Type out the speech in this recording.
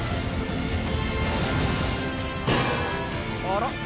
あら？